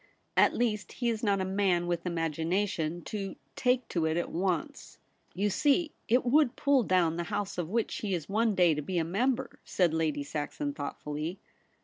At least, he is not a man with imagination to take to it at once.' * You see, it would pull down the House of which he is one day to be a member,' said Lady Saxon thoughtfully.